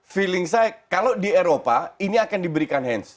feeling saya kalau di eropa ini akan diberikan hands